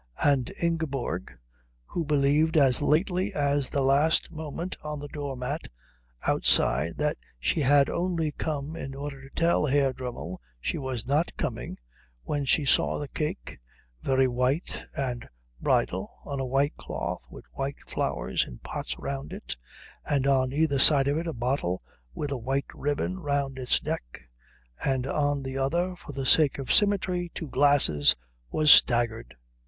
And Ingeborg, who believed as lately as the last moment on the doormat outside that she had only come in order to tell Herr Dremmel she was not coming, when she saw the cake, very white and bridal, on a white cloth with white flowers in pots round it, and on either side of it a bottle with a white ribbon about its neck, and on the other for the sake of symmetry two glasses, was staggered.